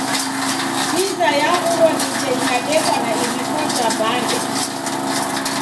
Piza yaw'urwa nicha ikadekwa na iriko ja mbande.